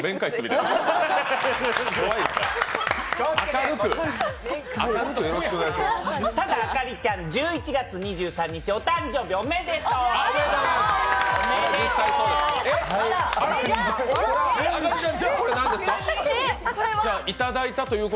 ただ、朱莉ちゃん、１１月２３日お誕生日、おめでとう！